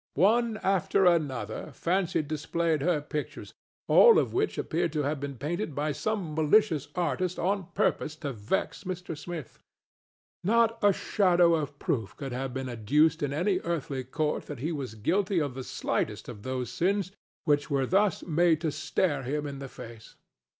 One after another Fancy displayed her pictures, all of which appeared to have been painted by some malicious artist on purpose to vex Mr. Smith. Not a shadow of proof could have been adduced in any earthly court that he was guilty of the slightest of those sins which were thus made to stare him in the face.